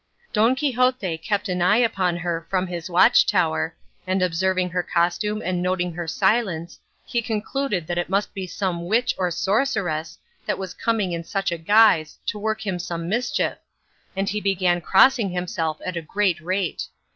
Don Quixote kept an eye upon her from his watchtower, and observing her costume and noting her silence, he concluded that it must be some witch or sorceress that was coming in such a guise to work him some mischief, and he began crossing himself at a great rate.